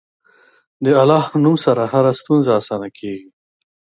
د الله نوم سره هره ستونزه اسانه کېږي.